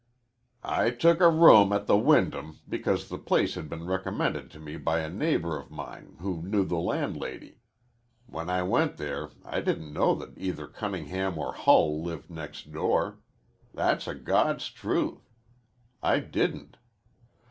"I took a room at the Wyndham because the place had been recommended to me by a neighbor of mine who knew the landlady. When I went there I didn't know that either Cunningham or Hull lived next door. That's a God's truth. I didn't.